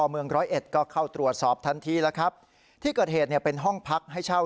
เมืองร้อยเอ็ดก็เข้าตรวจสอบทันทีแล้วครับที่เกิดเหตุเนี่ยเป็นห้องพักให้เช่า